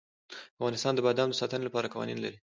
افغانستان د بادام د ساتنې لپاره قوانین لري.